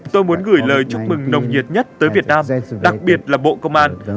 tôi muốn gửi lời chúc mừng nồng nhiệt nhất tới việt nam đặc biệt là bộ công an